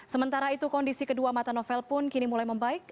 sementara itu kondisi kedua mata novel pun kini mulai membaik